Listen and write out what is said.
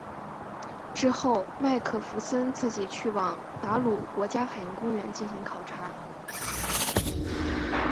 之后麦克弗森自己去往达鲁国家海洋公园进行考察。